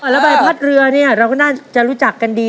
แล้วใบพัดเรือเนี่ยเราก็น่าจะรู้จักกันดี